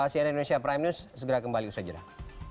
cnn indonesia prime news segera kembali usaha jelah